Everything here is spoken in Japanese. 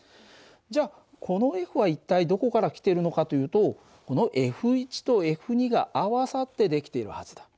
じゃあこのＦは一体どこから来てるのかというとこのＦとＦが合わさって出来ているはずだ。